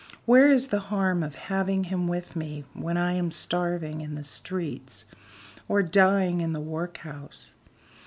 Where is the harm of having him with me when I am starving in the streets, or dying in the workhouse?"